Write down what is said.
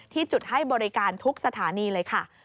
ที่จุดให้บริการทุกสถานีเลยค่ะ